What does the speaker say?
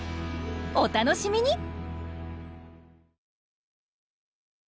お楽しみに！